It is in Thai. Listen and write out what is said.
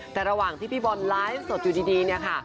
แต่ระหว่างที่พี่บอลไลฟ์สดอยู่ดีเนี่ยค่ะ